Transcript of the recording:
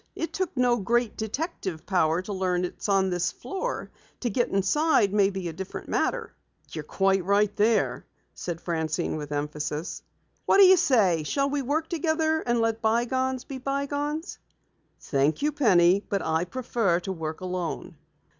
It took no great detective power to learn it's on this floor. To get inside may be a different matter." "You're quite right there," said Francine with emphasis. "What do you say? Shall we work together and let bygones be bygones?" "Thank you, Penny, I prefer to work alone."